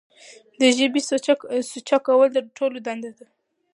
د ژبې سوچه کول د ټولو دنده ده.